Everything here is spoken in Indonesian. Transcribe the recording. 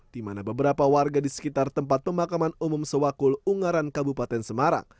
di mana beberapa warga di sekitar tempat pemakaman umum sewakul ungaran kabupaten semarang